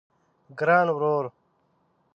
ګران ورور